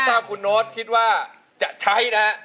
ถ้าคุณโน๊ตคิดว่าจะใช้นะฮะ